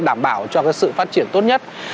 đảm bảo cho cái sự phát triển tốt nhất